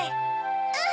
うん！